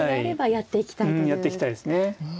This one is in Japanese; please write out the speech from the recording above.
やっていきたいですね。